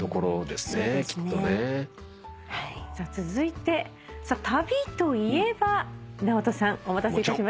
続いて旅といえばナオトさんお待たせいたしました。